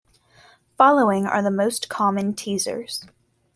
Following are the most common teasers.